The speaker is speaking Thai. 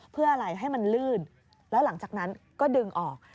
เพื่ออะไรให้มันลื่นแล้วหลังจากนั้นก็ดึงออก